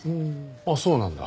ああそうなんだ。